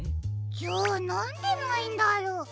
じゃあなんでないんだろう？